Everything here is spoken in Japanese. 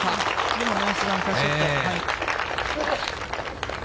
でもナイスバンカーショット。